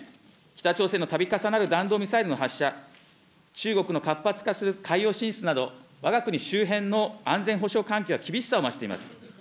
北朝鮮のたび重なる弾道ミサイルの発射、中国の活発化する海洋進出など、わが国周辺の安全保障環境は厳しさを増しています。